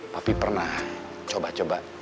papi pernah coba ngapain tapi dia nolak